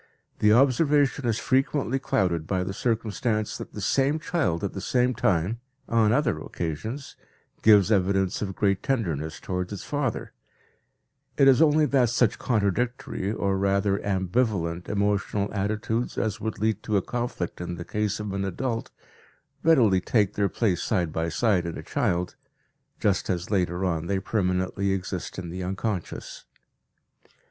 The observation is frequently clouded by the circumstance that the same child at the same time, on other occasions, gives evidence of great tenderness towards its father; it is only that such contradictory, or rather, ambivalent emotional attitudes as would lead to a conflict in the case of an adult readily take their place side by side in a child, just as later on they permanently exist in the unconscious.